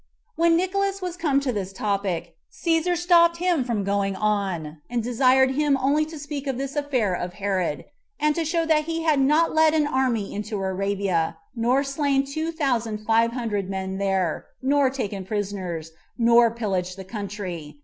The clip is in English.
When Nicolaus was come to this topic, Cæsar stopped him from going on, and desired him only to speak to this affair of Herod, and to show that he had not led an army into Arabia, nor slain two thousand five hundred men there, nor taken prisoners, nor pillaged the country.